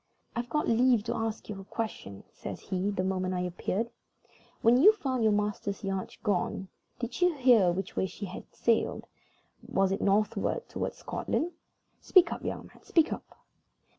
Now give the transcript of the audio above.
"I've got leave to ask you a question," says he, the moment I appeared. "When you found your master's yacht gone, did you hear which way she had sailed? Was it northward toward Scotland? Speak up, young man, speak up!"